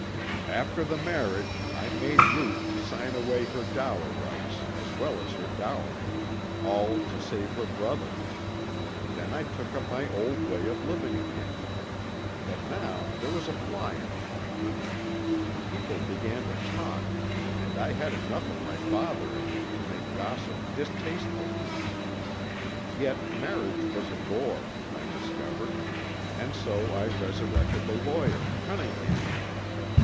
"After the marriage I made Ruth sign away her dower rights as well as her dowry, all to save her brother. Then I took up my old way of living again. But now there was a fly in my ointment. People began to talk, and I had enough of my father in me to make gossip distasteful to me. Yet marriage was a bore, I discovered, and so I resurrected the lawyer, Cunningham.